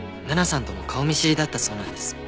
奈々さんとも顔見知りだったそうなんです。